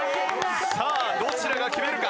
さあどちらが決めるか？